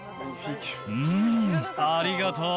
うーん、ありがとう。